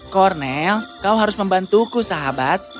kornel kau harus membantuku sahabat